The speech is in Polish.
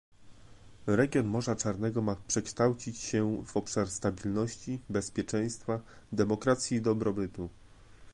Region Morza Czarnego ma przekształcić się w obszar stabilności, bezpieczeństwa, demokracji i dobrobytu